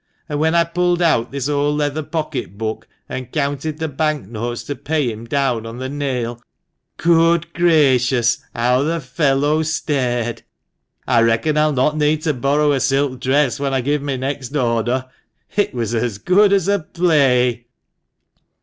An' when I pulled out this old leather pocket book, and counted the bank notes to pay him down on the nail, good gracious ! how the fellow stared ! I reckon I'll not need to borrow a silk dress when I give my next order. It was as good as a play."